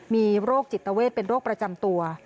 มีโรคจิตเวทเป็นโรคประจำตัว